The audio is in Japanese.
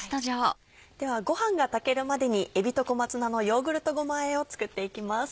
ではごはんが炊けるまでに「えびと小松菜のヨーグルトごまあえ」を作っていきます。